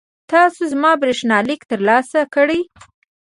تاسو زما برېښنالیک ترلاسه کړی؟